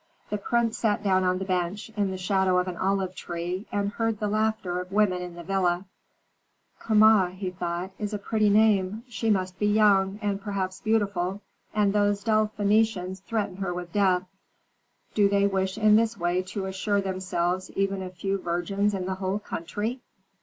The prince sat down on the bench, in the shadow of an olive tree, and heard the laughter of women in the villa. "Kama," thought he, "is a pretty name. She must be young, and perhaps beautiful, and those dull Phœnicians threaten her with death. Do they wish in this way to assure themselves even a few virgins in the whole country?"